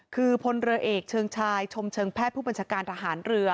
คือพลเรือเอกเชิงชายชมเชิงแพทย์ผู้บัญชาการทหารเรือ